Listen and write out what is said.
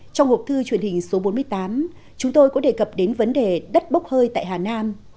trong hộp thư truyền hình số bốn mươi tám chúng tôi có đề cập đến vấn đề đất bốc hơi tại hà nam